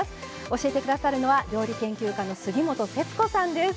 教えて下さるのは料理研究家の杉本節子さんです。